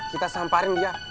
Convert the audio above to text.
kita samparin dia